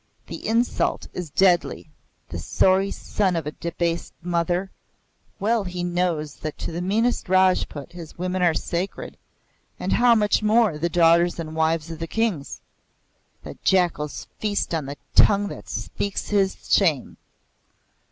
"The insult is deadly. The sorry son of a debased mother! Well he knows that to the meanest Rajput his women are sacred, and how much more the daughters and wives of the Kings! The jackals feast on the tongue that speaks this shame!